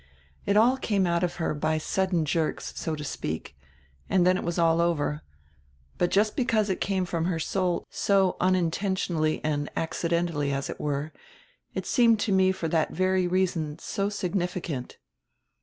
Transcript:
It all came out of her by sudden jerks, so to speak, and then it was all over. But just because it came from her soul so unintentionally and accidentally, as it were, it seemed to me for that very reason so significant."